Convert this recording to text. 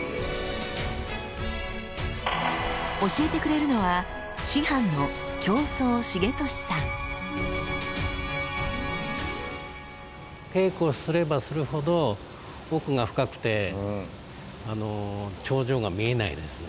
教えてくれるのは稽古をすればするほど奥が深くて頂上が見えないですね。